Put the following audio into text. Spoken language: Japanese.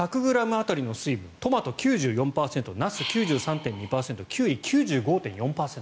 １００ｇ当たりの水分トマト、９４％ナス、９３．２％キュウリ、９５．４％。